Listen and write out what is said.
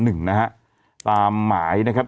นะฮะตามหมายนะครับ